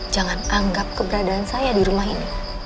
jangan anggap keberadaan saya di rumah ini